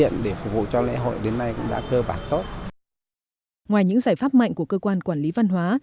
ngoài những giải pháp mạnh của cơ quan quản lý văn hóa